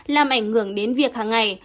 làm ảnh hưởng đến việc hàng ngày